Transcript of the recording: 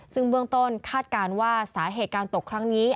ซึ่งเบื้องต้นคาดการณ์ว่าสาเหตุการตกครั้งนี้